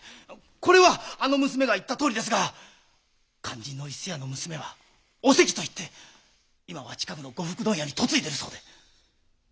これはあの娘が言ったとおりですが肝心の伊勢屋の娘はおせきといって今は近くの呉服問屋に嫁いでいるそうで。